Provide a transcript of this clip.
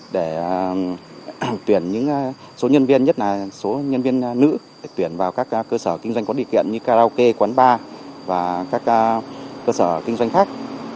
để tuyển những số nhân viên nhất là số nhân viên nữ để tuyển vào các cơ sở kinh doanh có điều kiện như karaoke quán bar và các cơ sở kinh doanh khác